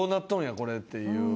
これっていう。